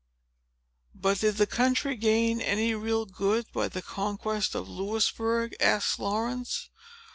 "But, did the country gain any real good by the conquest of Louisbourg?" asked Laurence.